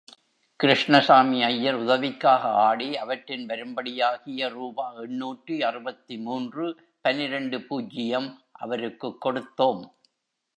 கிருஷ்ணசாமி ஐயர் உதவிக்காக ஆடி, அவற்றின் வரும்படியாகிய ரூபா எண்ணூற்று அறுபத்து மூன்று பனிரண்டு பூஜ்ஜியம் அவருக்குக் கொடுத்தோம்.